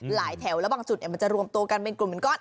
แถวแล้วบางจุดมันจะรวมตัวกันเป็นกลุ่มเป็นก้อน